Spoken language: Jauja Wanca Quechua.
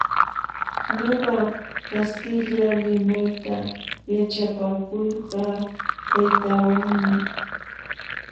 Ñuqa kastilla limayta yaćhapakulqaa taytaawanmi.